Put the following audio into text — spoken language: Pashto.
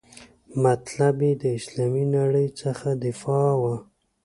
مطلب یې د اسلامي نړۍ څخه دفاع وه.